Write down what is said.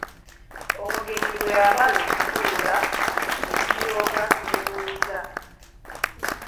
Omugenyi bwe yamala okutuula ne tulyoka tumubuuza.